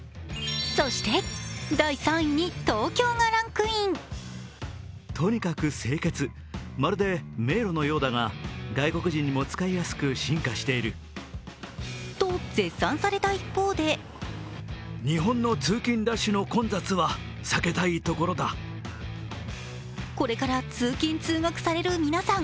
そして第３位に東京がランクイン。と絶賛された一方でこれから通勤・通学される皆さん